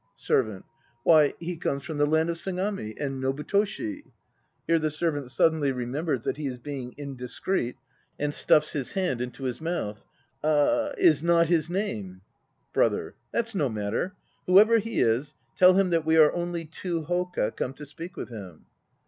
SERVANT. Why, he comes from the land of Sagami, and Nobutoshi ... (here the SERVANT suddenly remembers that he is being indiscreet and stuffs his hand into his mouth) ... is not his name. BROTHER. That's no matter. Whoever he is, tell him that we are only two hoka come to speak with him.